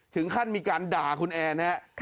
ถึงขั้นมีการด่าคุณแอนนะครับ